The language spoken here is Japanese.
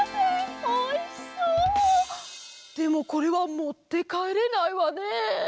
でもこれはもってかえれないわね。